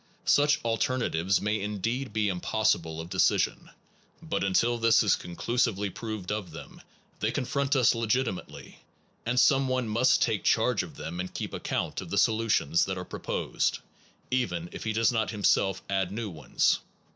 Such alterna tives may indeed be impossible of decision; but until this is conclusively proved of them, they confront us legitimately, and some one must take charge of them and keep account of the solutions that are proposed, even if he does not himself add new ones.